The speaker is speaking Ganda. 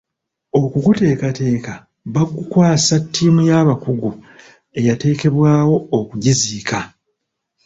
Okuguteekateeka bagukwasa ttiimu y'abakugu eyateekebwawo okugiziika.